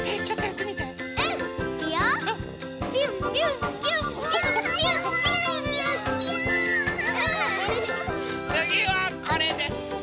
つぎはこれです。